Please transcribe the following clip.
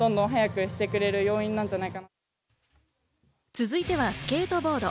続いてはスケートボード。